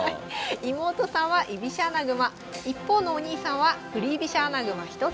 妹さんは居飛車穴熊一方のお兄さんは振り飛車穴熊一筋。